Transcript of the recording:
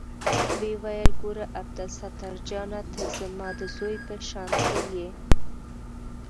ويې ويل ګوره عبدالستار جانه ته زما د زوى په شانتې يې.